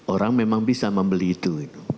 orang memang bisa membeli itu